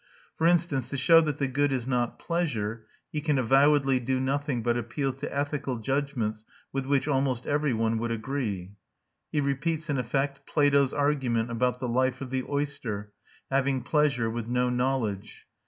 For instance, to show that the good is not pleasure, he can avowedly do nothing but appeal "to ethical judgments with which almost every one would agree." He repeats, in effect, Plato's argument about the life of the oyster, having pleasure with no knowledge.